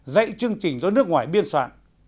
dạy chương trình cho nước ngoài biên soạn